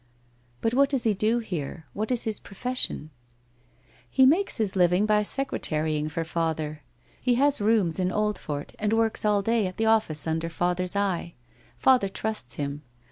'But what docs he do here? What is his profes sion ?'' He makes his living by secretarying for father. He has rooms in Oldfort, and works all day at the office under father's eye. Father trusts him.